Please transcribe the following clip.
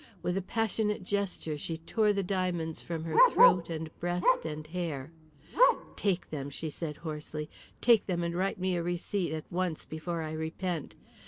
With a passionate gesture she tore the diamonds from her throat and breast and hair. "Take them," she said hoarsely; "take them and write me a receipt at once before I repent.